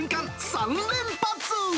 ３連発。